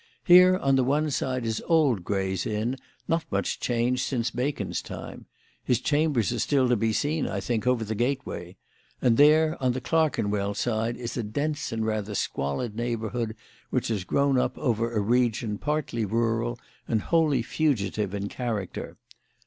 Here, on the one side, is old Gray's Inn, not much changed since Bacon's time his chambers are still to be seen, I think, over the gateway; and there, on the Clerkenwell side, is a dense and rather squalid neighbourhood which has grown up over a region partly rural and wholly fugitive in character.